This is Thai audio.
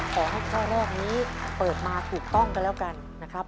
ขอให้ข้อแรกนี้เปิดมาถูกต้องกันแล้วกันนะครับ